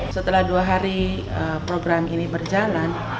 setelah dua hari program ini berjalan